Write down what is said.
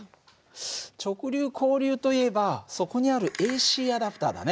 直流交流といえばそこにあるＡＣアダプターだね。